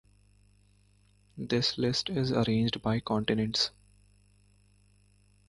This list is arranged by continents.